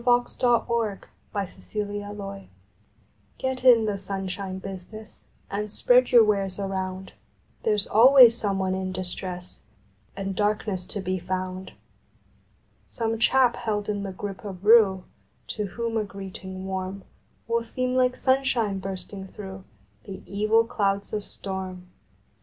June Thirteenth SPREAD IT T in the Sunshine business, And spread your wares around, There s always some one in distress And darkness to be found Some chap held in the grip of rue To whom a greeting warm Will seem like sunshine bursting through The evil clouds of storm.